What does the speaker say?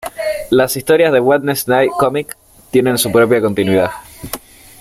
Las historias de "Wednesday Comics" tienen su propia continuidad.